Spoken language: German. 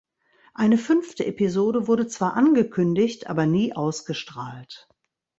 Eine fünfte Episode wurde zwar angekündigt, aber nie ausgestrahlt.